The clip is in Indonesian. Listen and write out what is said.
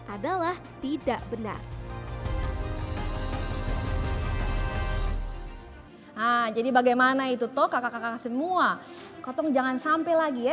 adalah tidak benar jadi bagaimana itu toh kakak kakak semua kotong jangan sampai lagi ya